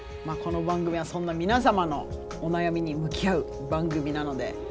この番組はそんな皆様のお悩みに向き合う番組なので。